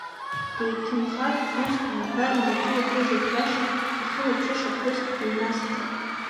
Деиҭымхар, усҟан, абра иҩнаҿы ихәы зырхиаша, ихылаԥшыша ԥҳәыск дыҩнасҵап.